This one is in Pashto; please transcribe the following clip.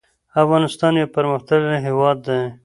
افغانستان يو پرمختللی هيواد ده